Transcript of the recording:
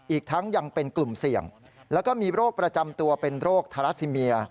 อีกทั้งยังเป็นกลุ่มเสี่ยงแล้วก็มีโรคประจำตัวเป็นโรคทาราซิเมีย